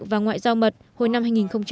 và ngoại giao mật hồi năm hai nghìn một mươi